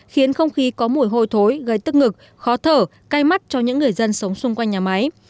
khiến không khí có mùi hôi thối gây tức ngực khó thở cai mắt cho những người dân sống xung quanh nhà máy